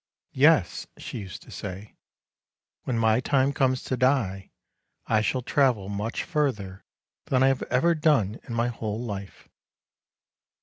' Yes,' she used to say, ' when my time comes to die, I shall travel much further than I have ever done in my whole life.